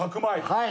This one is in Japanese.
はい。